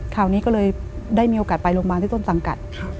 คราวนี้ก็เลยได้มีโอกาสไปโรงพยาบาลที่ต้นสังกัด